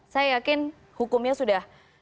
saya yakin hukumnya sudah